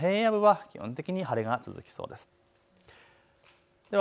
夜にかけても平野部は基本的に晴れが続きそうです。